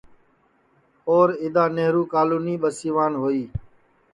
اور اِدؔا نیہرو کالونی ٻسیوان ہوئی